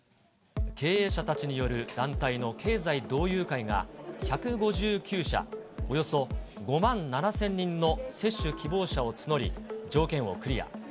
経営者たちによる団体の経済同友会が、１５９社およそ５万７０００人の接種希望者を募り、条件をクリア。